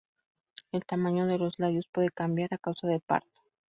El tamaño de los labios puede cambiar a causa de parto.